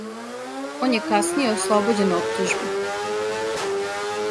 Он је касније ослобођен оптужби.